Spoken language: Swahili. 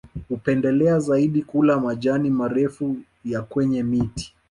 Hupendelea zaidi kula majani marefu ya kwenye miti